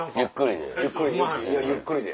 ゆっくりで。